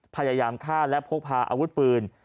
พยายามฆ่าและพกพาอาวุธปืน